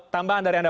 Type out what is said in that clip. tambahan dari anda